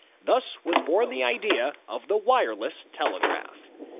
Thus was bom the idea of the wireless telegraph.